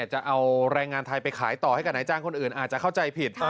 จะเอาแรงงานไทยไปขายต่อให้กับนายจ้างคนอื่นอาจจะเข้าใจผิด